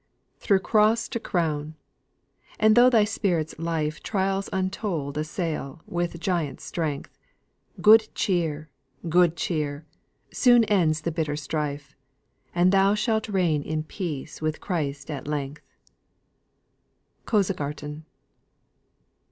"Through cross to crown! And though thy spirit's life Trials untold assail with giant strength, Good cheer! good cheer! Soon ends the bitter strife, And thou shalt reign in peace with Christ at length." KOSEGARTEN.